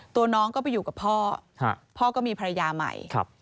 ตัวน้องก็ไปอยู่กับพ่อพ่อก็มีภรรยาใหม่